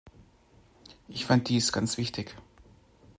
Ich fand dies ganz wichtig.